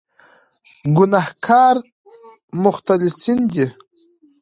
ګناهکار مختلسین دي.